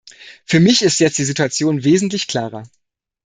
Für mich ist jetzt die Situation wesentlich klarer.